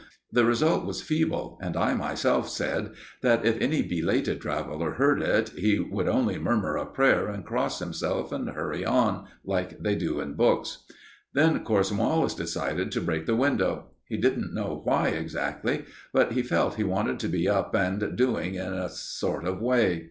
The result was feeble, and I myself said that if any belated traveller heard it, he would only murmur a prayer and cross himself, and hurry on, like they do in books. Then Cornwallis decided to break the window. He didn't know why exactly, but he felt he wanted to be up and doing in a sort of way.